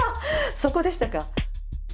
そこでしたか。